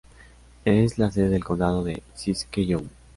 Es la sede del condado de Siskiyou.